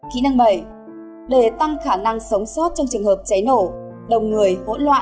kỹ năng bẩy để tăng khả năng sống sót trong trường hợp cháy nổ đồng người hỗn loạn